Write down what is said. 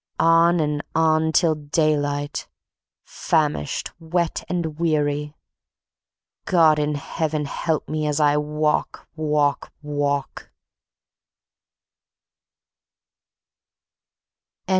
... On and on till daylight, famished, wet and weary, God in Heaven help me as I walk, walk, walk!